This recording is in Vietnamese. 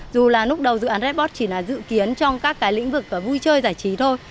dù là lúc đầu dự án redbot chỉ là dự kiến trong các cái lĩnh vực vui chơi giải trí thôi